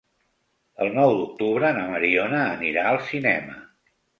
El nou d'octubre na Mariona anirà al cinema.